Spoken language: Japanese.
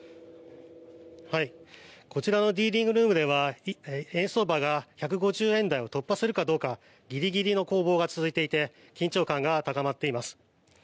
こちらのディーリングルームでは円相場が１５０円台を突破するかどうかギリギリの攻防が続いていて緊張感が高まっています。